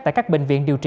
tại các bệnh viện điều trị